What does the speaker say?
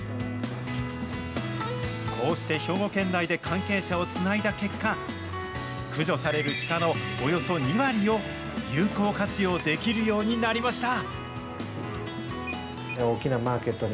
こうして兵庫県内で関係者をつないだ結果、駆除されるシカのおよそ２割を、有効活用できるようになりました。